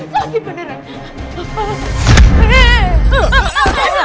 sakit banget sakit beneran